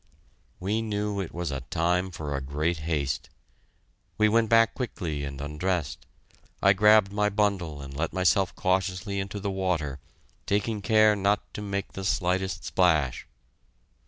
We knew it was a time for great haste. We went back quickly and undressed. I grabbed my bundle and let myself cautiously into the water, taking care not to make the slightest splash.